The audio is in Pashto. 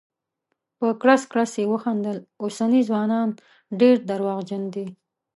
په کړس کړس یې وخندل: اوسني ځوانان ډير درواغجن دي.